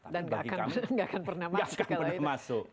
dan tidak akan pernah masuk